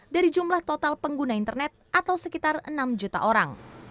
dari jumlah total pengguna internet atau sekitar enam juta orang